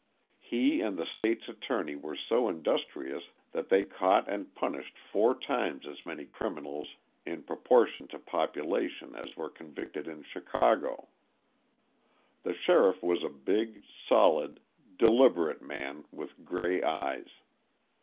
He and the state's attorney were so industrious that they caught and punished four times as many criminals in proportion to population as were convicted in Chicago. The sheriff was a big, solid, deliberate man with gray eyes.